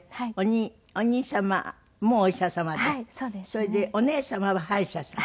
それでお姉様は歯医者さん。